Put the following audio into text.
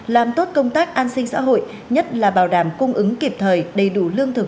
làm tốt công tác an sinh xã hội nhất là bảo đảm cung ứng kịp thời đầy đủ lương thực